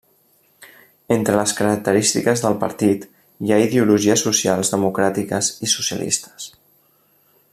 Entre les característiques del partit, hi ha ideologies socials democràtiques i socialistes.